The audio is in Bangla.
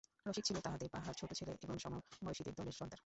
রসিক ছিল তাহাদের পাড়ার ছোটো ছেলে এবং সমবয়সীদের দলের সর্দার।